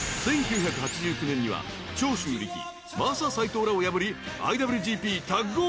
［１９８９年には長州力マサ斎藤らを破り］